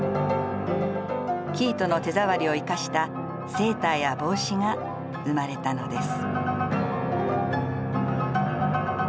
生糸の手触りを生かしたセーターや帽子が生まれたのです。